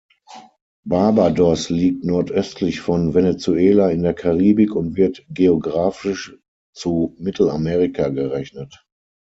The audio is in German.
Barbados liegt nordöstlich von Venezuela in der Karibik und wird geografisch zu Mittelamerika gerechnet.